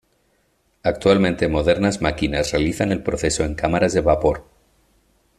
Actualmente modernas máquinas realizan el proceso en cámaras de vapor.